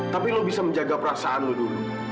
tapi lo bisa menjaga perasaan lo dulu